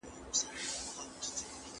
زه به اوږده موده سفر کړی وم،